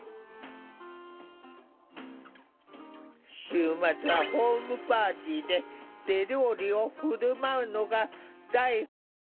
週末はホームパーティーで手料理を振る舞うのが大好きな